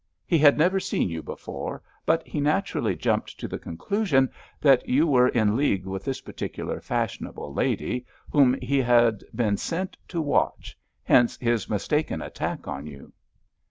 He had never seen you before, but he naturally jumped to the conclusion that you were in league with this particular fashionable lady, whom he had been sent to watch, hence his mistaken attack on you."